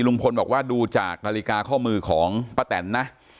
ลุงพลบอกว่าดูจากนาฬิกาข้อมือของป้าแตนนะ